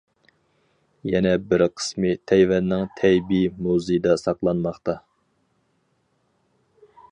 يەنە بىر قىسمى تەيۋەننىڭ تەيبېي موزىيىدا ساقلانماقتا.